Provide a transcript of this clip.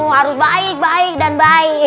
harus baik baik dan baik